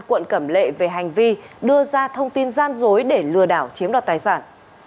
quận cẩm lệ về hành vi đưa ra thông tin gian dối để lừa đảo chiếm đoạt tài sản